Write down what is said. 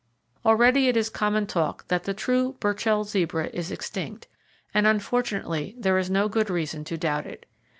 Already it is common talk that "the true Burchell zebra is extinct;" and unfortunately there is no good reason to doubt it.